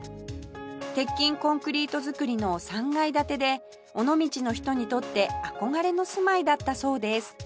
鉄筋コンクリート造りの３階建てで尾道の人にとって憧れの住まいだったそうです